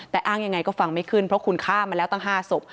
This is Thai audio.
แต่อ้างยังไงก็ฟังไม่ขึ้นเพราะคุณฆ่ามาแล้วตั้ง๕ศพ